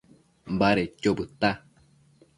Badedquio bëdta